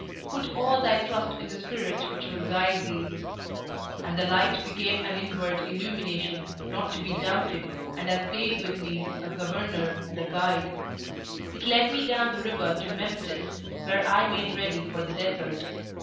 Put all thy trust in the Spirit which will guide thee.' "And the light became an inward illumination not to be doubted, and has stayed with me, a governor and a guide. It led me down the river to Memphis, where I made ready for the desert.